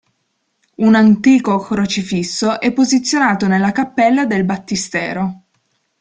Un antico crocifisso è posizionato nella cappella del battistero.